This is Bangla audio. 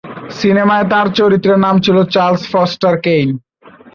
সিনেমায় তার চরিত্রের নাম ছিল চার্লস ফস্টার কেইন।